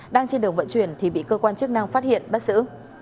đang trên đường vận chuyển thì bị cơ quan chức năng phát hiện bắt xử